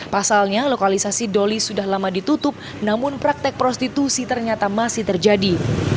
pasalnya lokalisasi doli sudah lama ditutup namun praktek prostitusi ternyata masih terjadi